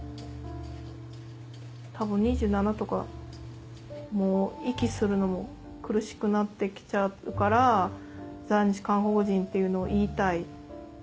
多分２７とかもう息するのも苦しくなってきちゃうから在日韓国人っていうのを言いたい。